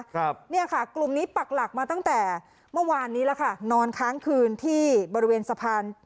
ครับเนี่ยค่ะกลุ่มนี้ปักหลักมาตั้งแต่เมื่อวานนี้แล้วค่ะนอนค้างคืนที่บริเวณสะพาน